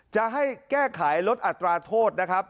จะให้แก้ไขลดอัตราโทษนะครับ